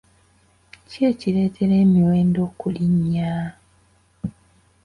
Ki ekireetera emiwendo okulinnya?